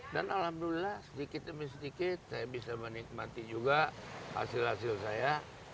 dan alhamdulillah sedikit demi sedikit saya bisa menikmati juga hasil hasil saya